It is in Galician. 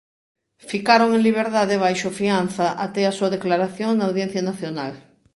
Ficaron en liberdade baixo fianza até a súa declaración na Audiencia Nacional.